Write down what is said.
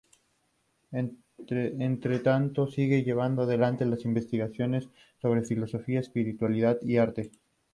Entretanto sigue llevando adelante sus investigaciones sobre filosofía, espiritualidad y arte.